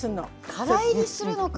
から炒りするのか。